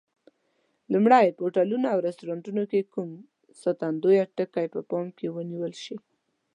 لومړی: په هوټلونو او رستورانتونو کې کوم ساتندویه ټکي په پام کې ونیول شي؟